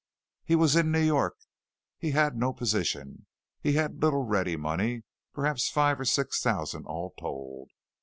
He was in New York. He had no position. He had little ready money perhaps five or six thousand all told.